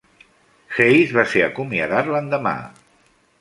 Hayes va ser acomiadat l'endemà.